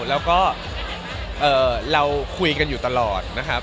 แล้วก็เราคุยกันอยู่ตลอดนะครับ